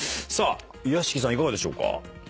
さあ屋敷さんいかがでしょうか？